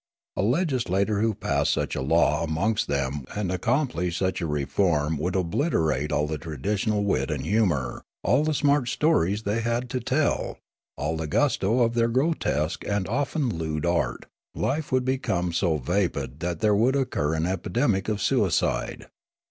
A legislator who passed such a law amongst them and accomplished such a reform would obliterate all the traditional wit and humour, all the smart stories they had to tell, all the gusto of their grotesque and often lewd art ; life would become so vapid that there would occur an epidemic of suicide.